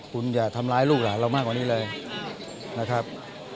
คุณอย่าทำร้ายลูกหลานเรามากกว่านี้เลยนะครับ